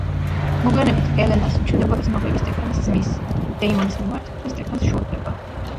მოგვიანებით, ელენას უჩნდება გრძნობები სტეფანის ძმის, დეიმონის მიმართ და სტეფანს შორდება.